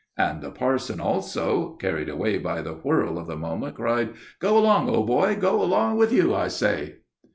and the parson, also carried away by the whirl of the moment, cried, "Go along, old boy! Go along with you, I say!"